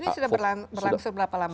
ini sudah berlangsung berapa lama